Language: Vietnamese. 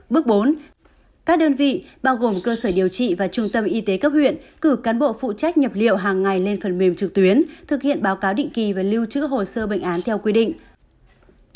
bước bốn các đơn vị bao gồm cơ sở điều trị và trung tâm y tế cấp huyện cử cán bộ phụ trách nhập liệu hàng ngày lên phần mềm trực tuyến thực hiện báo cáo định kỳ và lưu trữ hồ sơ bệnh án theo quy định